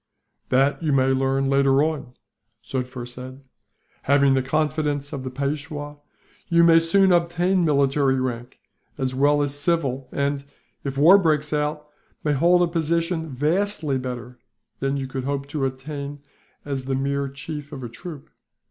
"That you may learn later on," Sufder said. "Having the confidence of the Peishwa, you may soon obtain military rank, as well as civil and, if war breaks out, may hold a position vastly better than you could hope to attain to as the mere chief of a troop."